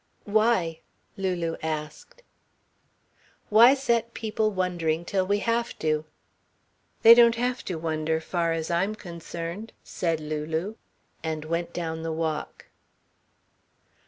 "Why?" Lulu asked. "Why set people wondering till we have to?" "They don't have to wonder, far as I'm concerned," said Lulu, and went down the walk.